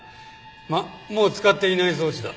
まあもう使っていない装置だ。